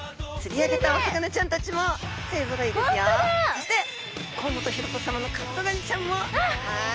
そして甲本ヒロトさまのカブトガニちゃんもはい。